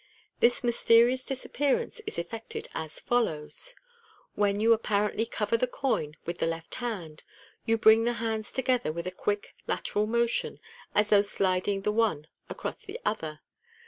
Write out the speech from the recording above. This mysterious disappearance is effected as follows : When you apparently cover the coin with thr left hand, you bring the hands together with a quick lateral motiop as though sliding the one across the other.